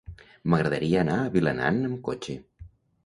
M'agradaria anar a Vilanant amb cotxe.